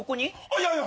いやいや。